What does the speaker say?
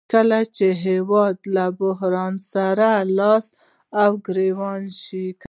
کله چې هېواد له بحران سره لاس او ګریوان شي